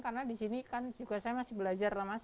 karena di sini kan juga saya masih belajar lah mas